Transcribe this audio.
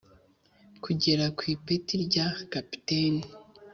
kugera ku ipeti rya Kapiteni